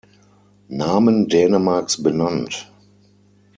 Namen Dänemarks benannt.